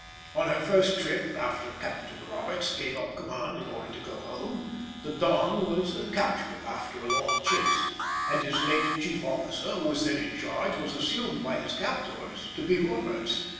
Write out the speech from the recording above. On her first trip after "Captain Roberts" gave up command in order to go home, the Don was captured after a long chase, and his late chief officer, who was then in charge, was assumed by his captors to be Roberts.